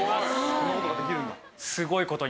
そんな事ができるんだ。